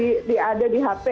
bisa diada di hp